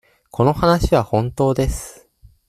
この話は本当です。